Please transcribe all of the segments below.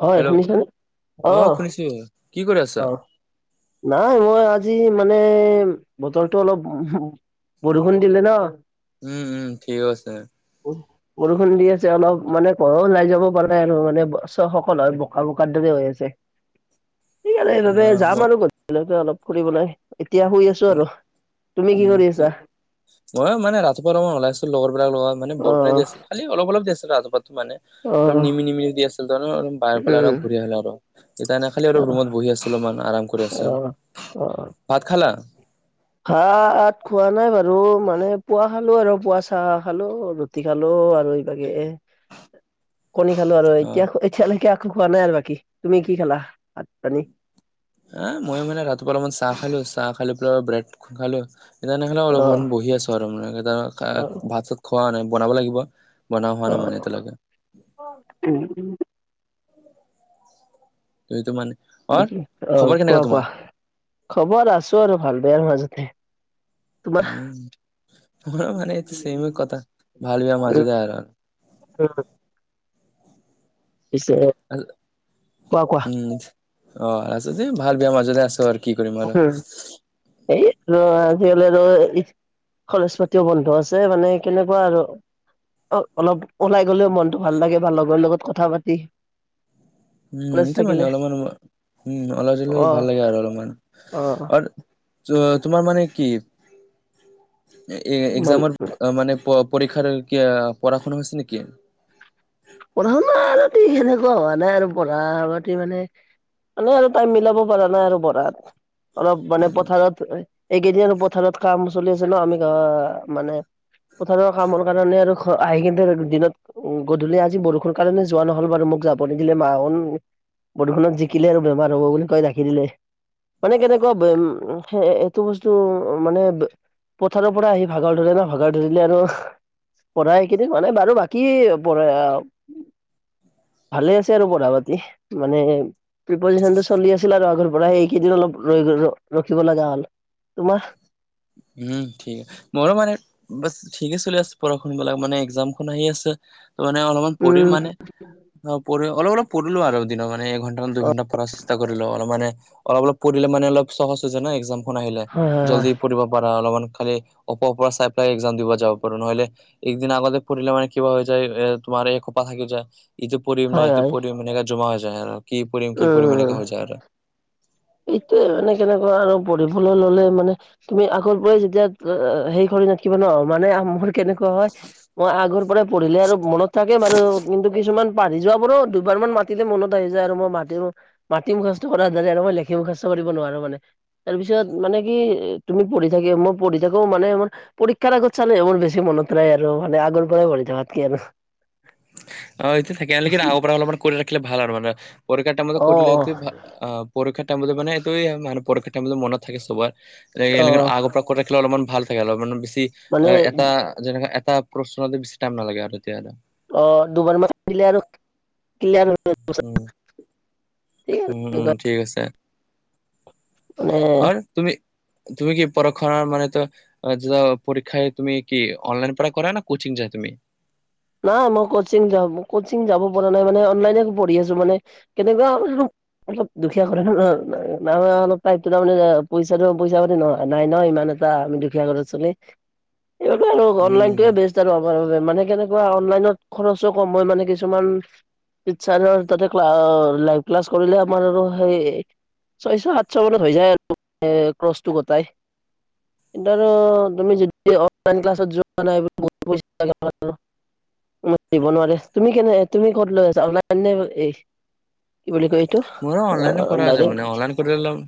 হয় হেল্ল' শুনিছান অ কি কৰি আছা অ। নাই মই আজি মানে বতৰটো অলপ বৰষুণ দিলে ন, উম উম ঠিক আছে। বৰষুণ দি আছে অলপ মানে কলো ওলাই যাব পৰা নাই আৰু মানে ওচৰ সকলৰ বোকা বোকাৰ দৰে হৈ আছে। ঠিক আৰু সেইবাবে অ যাম মই আৰু গ ধূলি অলপ ফুৰিবলৈ, এতিয়া শুই আছো আৰু। তুমি কি কৰি আছা? মইও মানে ৰাতিপুৱা টাইমত ওলাইছিলো লগৰ বিলাকৰ লগত মানে বৰষুণে অঁ দি আছিল খালি অলপ অলপ দি আছিল এটোপ এটোপ মানে। একদম অঁ নিমি নিমিলি দি আছিল তাৰপিছত বাহিৰ ফালে আৰু উম ঘূৰি আহিল আৰু। তেতিয়া এনে খালি আৰু অঁ ৰুমত বহি আছিলোঁ অলমান আৰাম কৰি আছিলোঁ। অ অ। ভাত খালা? ভাত খোৱা নাই বাৰু মানে পোৱা খালো আৰু পোৱা চাহ খালো ৰুটি খালো আৰু এইভাগে। কণী খালো আৰু অ এতিয়া এতিয়ালৈকে আকৌ খোৱা নাই আৰু বাকী। তুমি কি খেলা ভাত পানী? এ মই মানে ৰাতিপুৱা অলপমান চাহ খালো চাহ খাই পেলাই ব্ৰেড খালো, তেনেহ'লে অ অলপমান বহি আছো আৰু মানে এ অ ভাত চাত খোৱা নাই বনাব লাগিব। বনোৱা হোৱা অ নাই এতিয়ালৈকে। [unintelligible] এইটো মানে অ অ খবৰ কোৱা কেনেকা কোৱা তোমাৰ খবৰ আছো আৰু ভাল বেয়াৰ মাজতে। তোমাৰ উম মই মানে এইটো ছেমে কথা ভাল বেয়া মাজতে আৰু। [unintelligible] পিছে কোৱা কোৱা উম অ আছোঁ দে ভাল বেয়া মাজতে আছো আৰু। কি কৰিম আৰু আছোঁ এই আৰু আজিকালি আৰু কলেজ পাতিও বন্ধ আছে মানে কেনেকুৱা আৰু অ অলপ ওলাই গলেও মনতটো ভাল লাগে বা লগৰ লগত কথা পাতি। উম কলেজ এইটো মানে থাকিলে অলপমান উম ওলাই জলে ভাল লাগে আৰু অলপমান। অ অ। আৰু তোমাৰ মানে কি মান এক্সামৰ মানে পৰীক্ষাৰ কিবা পঢ়া শুনা হৈছে নেকি? পঢ়া-শুনা আৰু কি সেনেকুৱা হোৱা নাই আৰু পঢ়া পাতি মানে এনে আৰু তাই মিলাব পৰা নাই আৰু পঢ়াত, অলপ মানে পথাৰত এইকেইদিন আৰু পথাৰত কাম চলি আছে নহ, আমি গাওঁ আ মানে পথাৰৰ কামৰ কাৰণে আৰু ঘৰ আহি কিনে দিনত গধূলি আজি বৰষুণ কাৰণে যোৱা নহ'ল বাৰু মোক যাব নিদিলে, মা প্ৰদূষণত জিকিলে আৰু বেমাৰ হ'ব বুলি কয় ৰাখি দিলে। মানে কেনেকুৱা উম, এইটো বস্তু মানে পথাৰৰ পৰা আহি ভাগৰ ধৰে নহ, ভাগৰ ধৰিলে আৰু পঢ়াই এইকেইদিন মানে বাৰু বাকী পঢ়া ভালে আছে আৰু পঢ়া পাতি, মানে প্ৰিপজেচনটো চলি আছিল আৰু আগৰ পৰা এইকেইদিন অলপ ৰৈ গ'ল, ৰখিব লগা হ'ল। তোমাৰ? উম ঠিক, মইও মানে বাছ ঠিকে চলি আছে। পঢ়া শুনা বিলাক মানে একজামখন আহি আছে। তহ মানে অলপমান পঢ়িম উম মানে, পঢ়িম অলপ অলপ পঢ়িলো আৰু দিনে মানে এঘণ্টা মান অ দুঘণ্টা পঢ়া চেষ্টা কৰিলোঁ অলপ মানে, অলপ অলপ পঢ়িলে মানে অলপ সহজ হৈ যায় নহ একজাম খন আহিলে, হয় হয় হয় জল্দি পঢ়িব পাৰা অলপমান, খালি উপৰ পৰা চাই পেলাই একজাম দিব যাব পাৰোঁ, নহলে একদিন আগতে পঢ়িলে মানে কিবা হৈ যায়। তোমাৰ এই সোপা থাকি যায়। এইটো পঢ়িম নে, হয় এইটো হয় পঢ়িম এনেকা জমা হৈ যায় আৰু কি পঢ়িম কি পঢ়িম এনেকা হৈ যায় আৰু এইটোৱে আৰু এনে কেনেকুৱা আৰু পঢ়িবলৈ ললে মানে তুমি আগৰ পৰাই যেতিয়া সেৰি কৰি নাথাকিব নহ, মানে আমাৰ কেনেকুৱা হয়, মই আগৰ পৰাই পঢ়িলে আৰু মনত থাকে বাৰু, কিন্তু কিছুমান পঢ়ি যোৱা বোৰো দুবাৰ মান মাতিলে মনত আহি যায়, আৰু মই মাতো মাটিম মুখাস্ত কৰাৰ যেনে মই লেখি মুখাস্ত কৰিব নোৱাৰো মানে তাৰ পিছত মানে কি, তুমি পঢ়ি থাকি মই পঢ়ি থাকিও মানে মোৰ পৰীক্ষাৰ আগত চালে মোৰ বেছি মনত থাকে আৰু মানে আগৰ পৰাই পঢ়ি থকাতকে আৰু অ এইটো থাকে, লেকিন আগৰ পৰা অলপমান কৰি ৰাখিলে ভাল আৰু মানে পৰীক্ষা টাইমত অ অ পঢ়িলে অ পৰীক্ষাৰ টাইম মানে এইটোৱে মানে, পৰীক্ষাৰ টাইমত মনত থাকে অ চবৰে আগৰ পৰা কণ্টেক্টৰ অলপ ভাল থাকে, অলপমানে বেছি মানে এটা যেনেকে এটা প্ৰশ্ন বেছি টাইম নালাগে আৰু তেতিয়া অ দুবাৰ মান‌ দিলে আৰু অহ অহ, ঠিক আছে মানে অহ তুমি, তুমি কি পঢ়া শুনাৰ মানেতো এহ যা পৰীক্ষাই তুমি কি, অনলাইন পৰাই কৰা না কোচিং যোৱা তুমি নাই মই কচিং যাওঁ, কচিং যাব পৰা নাই মানে অনলাইনে পঢ়ি আছো মানে, কেনেকুৱা আৰু অলপ দুখীয়া ঘৰৰ ন অলপ টাইপ তাৰমানে পইচাটো পইচা পাতি নহয়, নাই নহ ইমান আমি দুখীয়া ঘৰৰ চলি, এনেকুৱা আৰু অনলাইনটোৱে উম বেজ আৰু আমাৰ বাবে অনলাইনত খৰচো কম হয়, মানে কিছুমান টিচাৰ তাতে লাইভ ক্লাছ কৰিলে আমাৰ আৰু সেই ছয়শ, সাতশ মানত হৈ যায় আৰু ক্ৰচটো গোটাই এতিয়া আৰু তুমি যদি অনলাইন ক্লাছত যোৱা নাই, এই বহুত পইচা লাগিব। দিব নোৱাৰে, তুমি কেনে তুমি ক'ত লৈ আছা, এই কি বুলি কৈ সেইটো, অহ ডাইৰেক্ট কৰি লম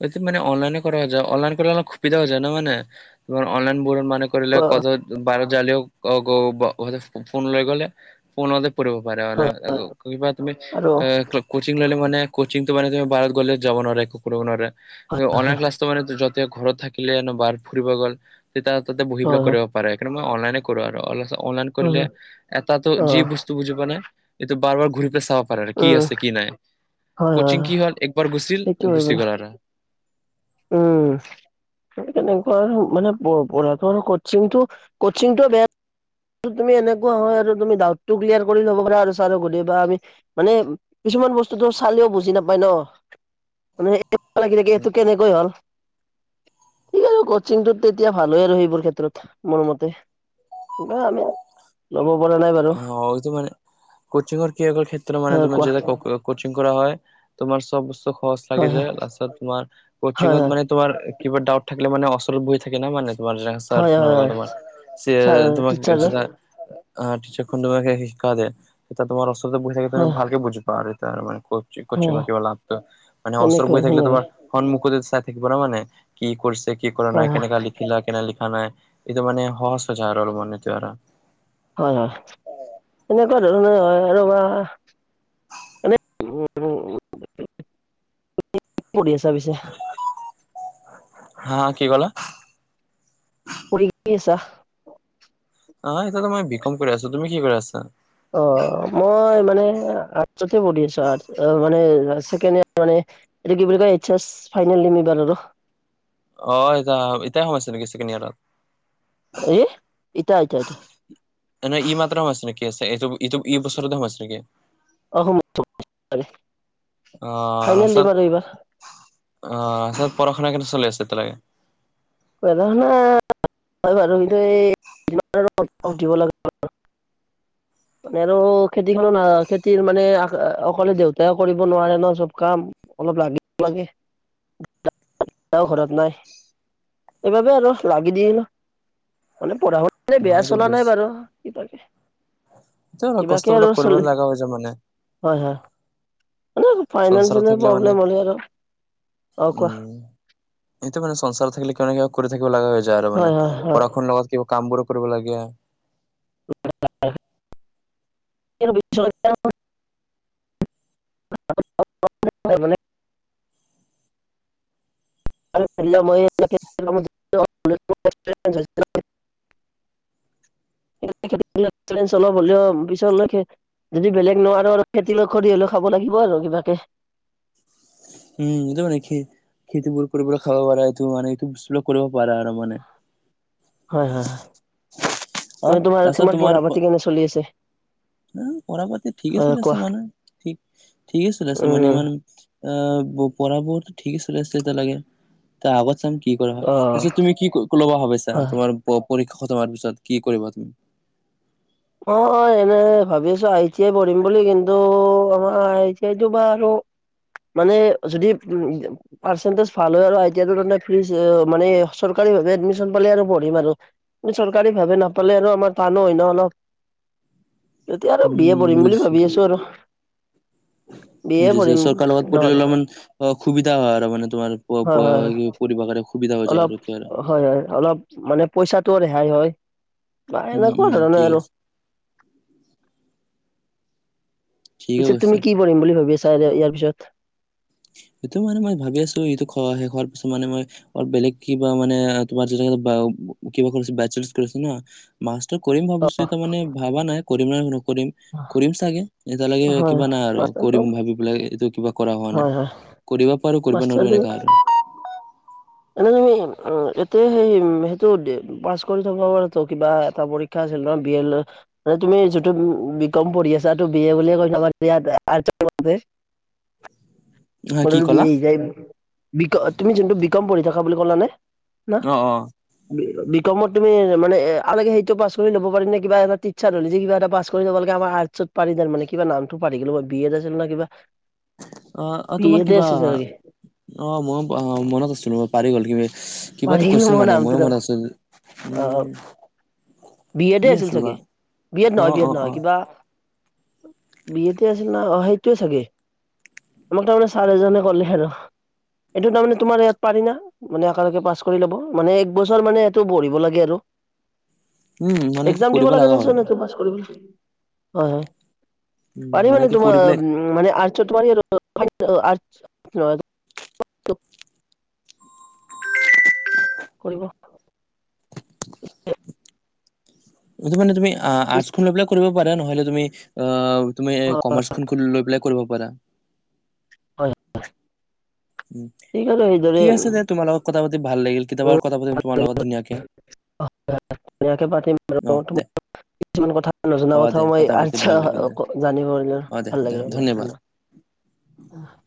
সেটি মানে অনলাইনে কৰা যায়। অনলাইন কৰিলে সুবিধা যায় না মানে, অনলাইন বৰ্ডৰ মানে কৰিলে, হয় কত বাৰত জালেও ফোন লৈ গ'লে ফোনত কৰিব পাৰো, অহ আৰু কিবা তুমি আৰু কোচিং ললে মানে কচিংটো মানে তুমি বাৰত গ'লে যাব নোৱাৰে, একো কৰিব নোৱাৰে। হয় অনলাইন ক্লাছটো মানে যত তেতিয়া ঘৰত থাকিলে বাৰ ফুৰিব গ'ল তেতিয়া তাতে বহিবিলাক হয় কৰক সকাৰণে মইলো অনলাইন হয় কৰিলে হয় এটাটো অ যি বস্তু বুজি পোৱা নাই এইটো বাৰ বাৰ খুলি ফেল চাব পাৰে আৰু কি উম আছে। কি নাই হয় হয় কচিং হয় কি হ'ল একবাৰ গুচ সেইটো হয় গুচি বাৰু গ'ল আৰু উম। সেই তেনেকুৱা আৰু মানে পঢ়াটো কচিংটো কচিংটো বেয়া তুমি এনেকুৱা হয় আৰু তুমি ডাউটটো ক্লিয়াৰ কৰি ল'ব পাৰা আৰু ছাৰ সুধি আমি মানে কিছুমান বস্তুটো চালেও বুজি নাপায় ন। মানে লাগি থাক এইটোক কেনেকৈ হ'ল? কি আ কচিং টোত তেতিয়া ভালে আৰু সেইবোৰ ক্ষেত্ৰত মোৰ মতে বা আমি ল'ব পৰা নাই বাৰু। অ', এটো মানে কচিংৰ কি ক্ষেত্ৰ মানে হয় তমাৰ কোৱা যেয়া কচিং কৰা হয় তোমাৰ চব বস্ত সহজ লাগে হয় যায় তাৰ তোমাৰ হয় হয় কচিংত মানে তোমাৰ কিবা ডাউট থাকিলে মানে অচৰত বহি থাকে মানে। হয় হয় হয় ছাৰ টিচাৰজন তোমাৰ [unintelligible] টচাৰখন তুমাকে শিক্ষা দে এতিয়া তোমাৰ অসৰতে বুহি থাকেলে তুমি হয় ভালে বুজি পা এতি মানে হয় কিবা লাভটো মে অস্তৰত এনেকৈ বহি থাকিলে সেনেকৈ তোমাৰ হন মুখতে চাই থাকিবা মানে কি কৰিছে কি কৰা হয় নাই হয় কেনেকা লি খিলা কেনে লিখা নাই এইটো মানে সহজ হৈ যায় আৰু অলপ মানটো আৰ হয়, হয় এনেকুৱা ধৰণৰ হয় আৰু বা উ কি কৰি আছা পিছে হা কি ক'লা? পৰি কি আছা। অ', এতিয়াাতো মই বি কম কৰি আছোঁ তুমি কি কৰি আছা? অ', মই মান আৰ্টছত পঢ়ি আছো মান মে এ কি বা ক এইচ এছ ফাইনেল দিম ইবাৰাৰ আৰু অ', এ যাম এতিয়াই সোয়াইছে নেকি ছেকেণ্ড ইয়াৰৰত। এ ইট আইত আতা [unintelligible] ন নে ই মাত্ৰাও আছে নেকি আছেটো ইটো এই বছৰততে আছে নেকি। অ [unintelligible] অ', ফাইনেল তাৰপিছত দিম অ', আৰু এইবাৰ তাৰছত পঢ়া শুনা কেনে চলি আছে এতিয়ালৈকে। হয় বাৰু উঠিব লে। [inaudible] আৰু খেতিখনো খেতিৰ মানে অকলে দেউতাই কৰিব নোৱাৰে ন চব কাম। অলপ লাগিব লাগে ঘৰত নাই। সেইবাবে আৰু লাগি দিল মানে পঢ়া শু অ বেয়া চলা নাই বাৰু ক তাকে। এটো কষ্টবিলাক কৰিব চলি লগা হৈ য মানে। হয়, হয় মানে সংসাৰত ফাইনেসিয়েল থাকিলে মানে প্ৰব্লেম হ'ল আৰু অ', কোৱা। উম এইটো মানে সংসাৰ থাকিলে কিয় না কিবা কৰি থাকিব ল লগা হৈ যায় আৰু হয় মানে হয় হয় পঢ়া শুনাৰ লগত কিবা কাম বোৰো কৰিব লাগে। অ [unintelligible] বিশ্ববি [unintelligible] হয়, মানে ম [unintelligible] [unintelligible] [unintelligible] হ'লেও পিছৰ লৈকে যদি বেলেগ নোৱাৰো আৰু খেতি [unintelligible] কৰি হলেও খাব লাগিব আৰু কিবাকে। উম! সেইটো নেকি? [inaudible] খেতিবোৰ কৰিবোৰ খাব পাৰা এইটো মানে এইটো [unintelligible] কৰিব পাৰা আৰু মানে। হয়-হয়-হয়। [inaudible] আৰু এনেই তাৰপিছত তোমাৰ-তোমাৰ পঢ়া তোমাৰ পাতি কেনে চলি আছে? [unintelligible] [unintelligible] পঢ়া পাতি ঠিকে হয় চলি কোৱা আছে মানে [inaudible] ঠিক ঠিকে চলি আছে মানে উম, ইমান আহ পঢ়াবোৰ ঠিকেই চলি আছে এতিয়া লৈকে তাৰ আগৰ চেম কি [unintelligible] কি কৰা হয়। অ', তাৰপাছত তুমি কি ল'বা ভাবিছা, হয়। তোমাৰ পৰীক্ষা খতম হোৱাৰ পিছত কি কৰিবা তুমি? [unintelligible] অঁ-অঁ এনেই ভাবিছো আইটিআই পঢ়িম বুলি কিন্তু আমাৰ আইটিআইটো বা আৰু [unintelligible] মানে যদি উ [unintelligible] পাৰ্চেণ্টিছ ভাল হয় আৰু আইটিআইটো ফিজ মানে চৰকাৰীভাৱে এডমিন পালে আৰু পঢ়িম আৰু। [unintelligible] চৰকাৰীভাৱে নাপালে আৰু আমাৰ টানো হয় ন অলপ। [unintelligible] এতিয়া আৰু বিএ উম পঢ়িম বুলি ভাবি আছো আৰু। [unintelligible] উ [unintelligible] বি এ বুজিছে পঢ়িম চৰকাৰৰ লগত পৰি ললে নহ'লে হয়, অলপমান [unintelligible] সুবিধা হয় আৰু মানে তোমাৰ হয়, এ পঢ়িব [unintelligible] অলপ আৰু তেতিয়া আৰু হয়-হয় অলপ মানে পইচাটোও ৰেহাই হয়। [unintelligible] [unintelligible] প্ৰায় উম উম এনেকুৱা ধৰণে ঠিক আৰু। আছে ঠিকে পিছে তুমি কৈছা কি কৰিম বুলি ভাবি আছা ইয়াৰ পিছত? [unintelligible] সেইটো মানে মই ভাবি আছো এইটো শেষ হোৱাৰ পিছত মানে মই [unintelligible] বেলেগ কিবা মানে তোমাৰ যেনেকে [unintelligible] কিবা কৰিছে [unintelligible] কৰিছে ন মাছটো কৰিম ভাবিছো তাৰ মানে ভাবা নাই কৰিম না নকৰিম কৰিম চাগে [unintelligible] এতিয়ালৈকে হয়, কিবা নাই আৰু মাষ্টাৰ কৰিম ভাবি পেলাই এইটো কিবা কৰা হোৱা নাই। হয়। [unintelligible] হয়। কৰিব পাৰোঁ, কৰিব নোৱাৰোঁ এনেকুৱা আৰু। [inaudible] এনেই উম তুমি এতিয়া সেই সেইটো পাছ কৰি থকা কিবা এটা পৰী [unintelligible] পৰীক্ষা আছিল তোমাৰ বিএলৰ [unintelligible] মানে তুমি যিটো বিকম পঢ়ি আছা সেইটো বিএ বুলি কৈ [unintelligible] ইয়াত আৰ্টছত পঢ়া যে [unintelligible] [unintelligible] [unintelligible] হা কি ক'লা তুমি যোনটো বিকম পঢ়ি থকা বুলি ক'লা নে? ন [inaudible] অ অ বিকমত তুমি মানে আগতে সেইটো পাছ কৰি লব পাৰিম নে কিবা এটা ট্ৰিচাৰ হলে কিবা এটা পাছ [unintelligible] কৰি ল'ব লাগে আমাৰ আৰ্টছত পাৰি তাৰমানে কিবা নামটো পাৰি গলো মই কিবা বিএড আছিল না কিবা [unintelligible] অঁ-অঁ বি তোমাৰ এডে কিবা আছিল চাগে [unintelligible] অঁ মইয়ো [unintelligible] মনত আছিল ৰ পাহৰি গল কিবা [unintelligible] পাহৰি গলো মই মানে ময়ো নামটো তাৰ মনত আছিল [unintelligible] অ উম কি বিএডে আছিল বা চাগে। বিএড অ নহয়, বিএড অ অ নহয় কিবা [inaudible] বিএডতে আছিল না অঁ সেইটোৱেই চাগে। আমাক তাৰমানে চাৰ এজনে ক'লে আৰু। [unintelligible] এইটো তাৰমানে তোমাৰ ইয়াত পাৰি না? [unintelligible] মানে একেলগে পাছ কৰি ল'ব, মানে এক বছৰ মানে সেইটো পঢ়িব লাগে আৰু। [unintelligible] উম মানে এইটো একজাম দিব কৰিব লাগে লগা নে হয় [unintelligible] পাছ কৰিবি [inaudible] হয়-হয়। উম পাৰি মানে এইটো তোমাৰ পঢ়ি পেলাই উম মানে আৰ্টছত তোমাৰ হেৰি আৰু [unintelligible] সটো [unintelligible] কৰিব [inaudible] যদি মানে তুমি আৰ্টছখন লৈ পেলাই কৰিব পাৰা, নহলে তুমি আহ তুমি কমাৰ্চখন লৈ পেলাই [unintelligible] কৰিব পাৰা। [inaudible] হয় আৰু সেইদৰে ঠিক আছে উম দে তোমাৰ লগত কথা পাতি ভাল লাগিল কেতিয়াবা আৰু কথা পাতিম তোমাৰ লগত ধুনীয়াকে। [unintelligible] পাতিম অ দে কিছুমান কথা নজনা অ দে কথাও মই কথা পাতি আচ্ছা ভাল লাগিল দে জানিব পাৰিলো অ দে ভাল দে লাগিলে ধন্যবাদ [unintelligible]